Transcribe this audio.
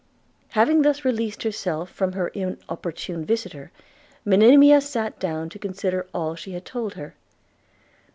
Having thus released herself from her importunate visitor, Monimia sat down to consider all she had told her.